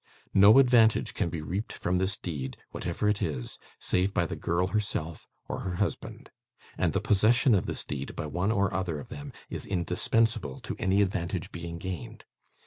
No advantage can be reaped from this deed, whatever it is, save by the girl herself, or her husband; and the possession of this deed by one or other of them is indispensable to any advantage being gained.